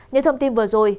những thông tin vừa rồi